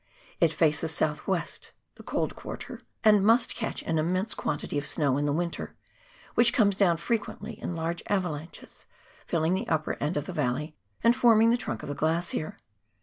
It faces the south west — the cold quarter — and must catch an immense quantity of snow in the winter, which comes down frequently in large avalanches, filling the upper end of the valley and forming the trunk of the glacier.